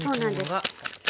そうなんです。